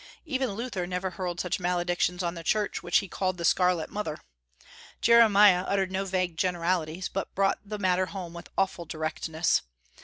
Even Luther never hurled such maledictions on the church which he called the "scarlet mother." Jeremiah uttered no vague generalities, but brought the matter home with awful directness.